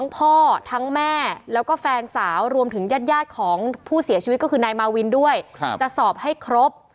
ผู้เสียชีวิตก็คือนายมาวินด้วยจะสอบให้ครบ